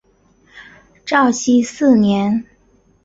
绍熙四年。